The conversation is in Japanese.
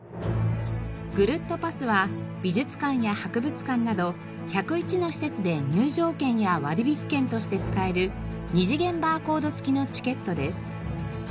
ぐるっとパスは美術館や博物館など１０１の施設で入場券や割引券として使える二次元バーコード付きのチケットです。